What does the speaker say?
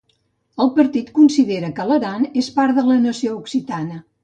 El partit considera que l'Aran és part de la nació occitana.